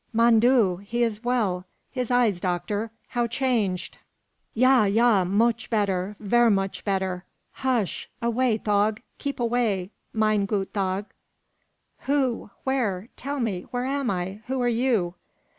"Mon Dieu! he is well. His eyes, doctor. How changed!" "Ya, ya; moch better; ver moch better. Hush! away, tog! Keep away, mine goot tog!" "Who? where? Tell me, where am I? Who are you?"